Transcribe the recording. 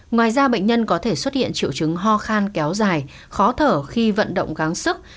ngoài ra bệnh nhân có thể xuất hiện triệu chứng ho khan kéo dài khó thở khi vận động gáng sức